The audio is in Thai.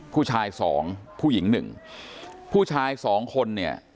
ผู้ชายสองผู้หญิงหนึ่งผู้ชายสองคนเนี่ย